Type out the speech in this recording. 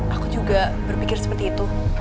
aku juga berpikir seperti itu